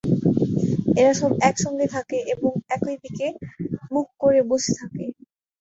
এরা সব একসঙ্গে থাকে এবং একই দিকে মুখ করে বসে থাকে।